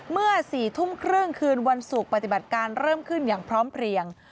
เมื่อ๔ทุ่มครึ่งคืนวันศุกร์ปฏิบัติการเริ่มขึ้นอย่างพร้อมเพลียง